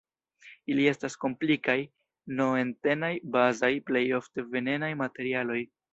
Ili estas komplikaj, N-entenaj, bazaj, plej ofte venenaj materialoj.